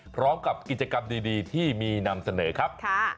พร้อมกับกิจกรรมดีที่มีนำเสนอครับ